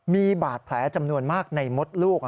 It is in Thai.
มีบาดแผลจำนวนมากในมดลูก